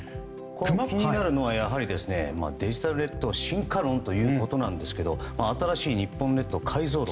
気になるのがデジタル列島進化論ということですが新しい日本列島改造論。